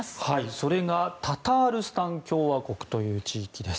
それがタタールスタン共和国という地域です。